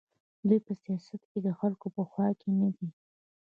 دوی په سیاست کې د خلکو په خوا کې نه دي.